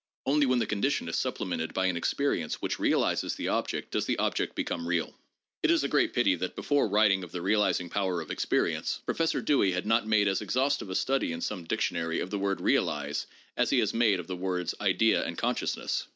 Only when the condition is supplemented by an experience which realizes the object does the object become real. No. 3.] PURE EXPERIENCE AND REALITY. 27 1 It is a great pity that, before writing of the realizing power of experience, Professor Dewey had not made as exhaustive a study in some dictionary of the word ' realize ' as he has made of the words ' idea ' and ' consciousness.'